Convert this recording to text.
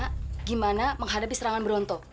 bagaimana menghadapi serangan bronto